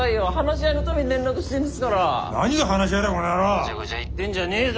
ごちゃごちゃ言ってんじゃねえぞ。